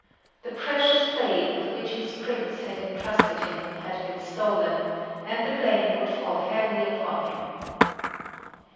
The precious blade with which his Prince had entrusted him had been stolen, and the blame would fall heavily upon him.